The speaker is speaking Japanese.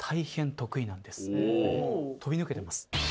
飛び抜けてます。